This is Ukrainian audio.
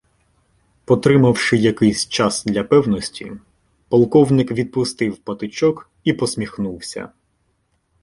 Потримавши якийсь час для певності, полковник відпустив патичок і посміхнувся.